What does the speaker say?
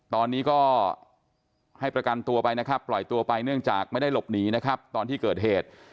ตอนนี้ก็ให้ประกันตัวไปนะครับปล่อยตัวไปเนื่องจากไม่ได้หลบหนีนะครับตอนที่เกิดเหตุ